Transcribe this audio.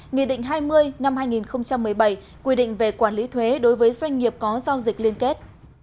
nghị định hai mươi năm hai nghìn một mươi bảy quy định về quản lý thuế đối với doanh nghiệp có giao dịch liên kết